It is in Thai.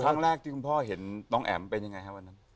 ครั้งแรกที่คุณพ่อเห็นน้องแอ๋มเป็นยังไงครับวันนั้น